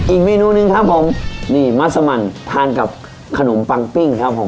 อีกเมนูหนึ่งครับผมนี่มัสมันทานกับขนมปังปิ้งครับผม